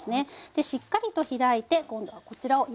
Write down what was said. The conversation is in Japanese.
でしっかりと開いて今度はこちらを焼いていきます。